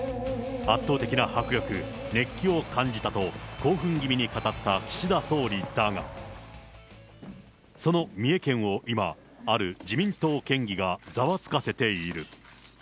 圧倒的な迫力、熱気を感じたと、興奮気味に語った岸田総理だが、その三重県を今、ある自民党県議がざわつかせている。